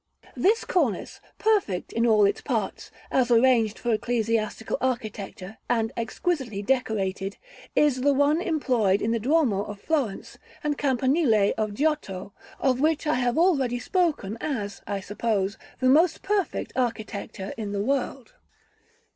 This cornice, perfect in all its parts, as arranged for ecclesiastical architecture, and exquisitely decorated, is the one employed in the duomo of Florence and campanile of Giotto, of which I have already spoken as, I suppose, the most perfect architecture in the world.